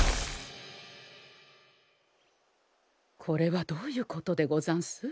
これはどういうことでござんす？